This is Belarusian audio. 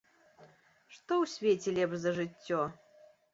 Што ў свеце лепш за жыццё?